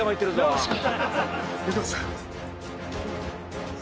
よし！